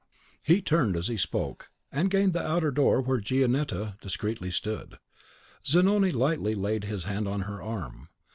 He turned as he spoke, and gained the outer door where Gionetta discreetly stood. Zanoni lightly laid his hand on her arm.